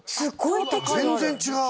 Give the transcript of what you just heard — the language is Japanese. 全然違う！